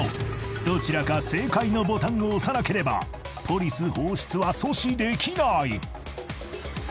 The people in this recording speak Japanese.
どちらか正解のボタンを押さなければポリス放出は阻止できない］